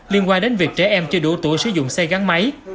liên quan đến việc trẻ em chưa đủ tuổi sử dụng xe gắn máy